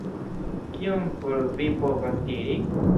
Kiom for vi povas iri?